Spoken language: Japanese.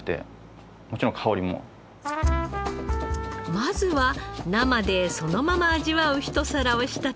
まずは生でそのまま味わうひと皿を仕立てます。